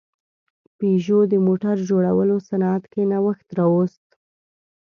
پيژو د موټر جوړولو صنعت کې نوښت راوست.